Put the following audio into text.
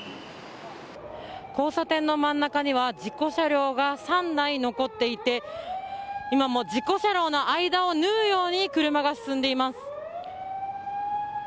交差点の真ん中には事故車両が３台残っていて今も事故車両の間を縫うように車が進んでいます。